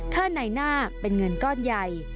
ค่าในหน้าเป็นเงินก้อนใหญ่